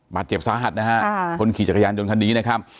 บาดเจ็บสาหัสนะฮะคนขี่จักรยานยนต์คันนี้นะครับ